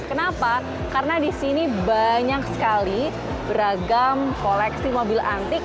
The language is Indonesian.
kenapa karena di sini banyak sekali beragam koleksi mobil antik